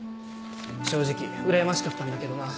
正直うらやましかったんだけどな。